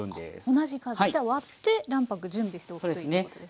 同じ数じゃあ割って卵白準備しておくといいということですね。